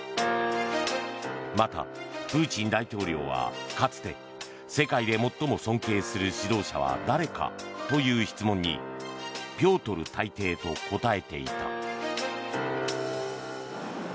また、プーチン大統領はかつて世界で最も尊敬する指導者は誰かという質問にピョートル大帝と答えていた。